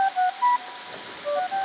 regka beruntung berjalan